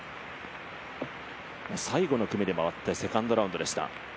最後の組で回ってセカンドラウンドでした。